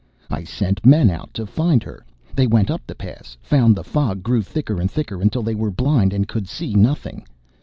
I sent men out to find her. They went up the Pass, found the fog grew thicker and thicker until they were blind and could see nothing.